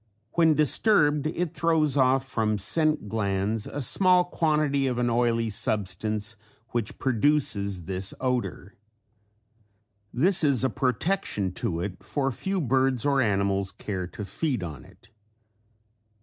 When disturbed it throws off from scent glands a small quantity of an oily substance which produces this odor. This is a protection to it for few birds or animals care to feed on it.